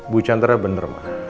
bu chandra bener pak